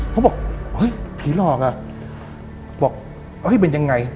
เขาบอกเฮ้ยผีหลอกอ่ะบอกเอ้ยเป็นยังไง